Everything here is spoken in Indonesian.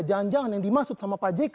jangan jangan yang dimaksud sama pak jk